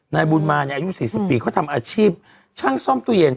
นายบุญมาเนี่ยอายุ๔๐ปีเขาทำอาชีพช่างซ่อมตู้เย็น